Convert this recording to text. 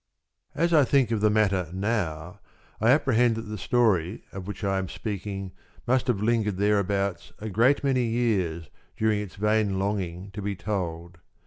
As I think of the matter now, I apprehend that the story of which I am speaking must have lingered thereabouts a great many years during its vain longing to be told.